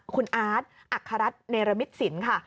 คุณอาร์ตอัครรัฐเนรมิตสินค่ะ